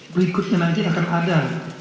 berikutnya nanti akan ada